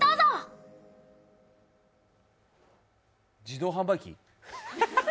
自動販売機？